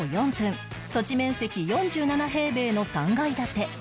土地面積４７平米の３階建て